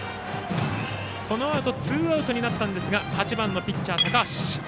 このあとツーアウトになったんですが８番のピッチャー、高橋。